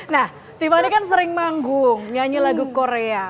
nah tiffany kan sering manggung nyanyi lagu korea